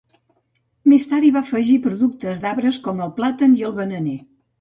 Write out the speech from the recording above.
Més tard hi va afegir productes d'arbres com el plàtan i el bananer.